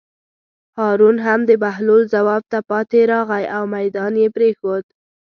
هارون هم د بهلول ځواب ته پاتې راغی او مېدان یې پرېښود.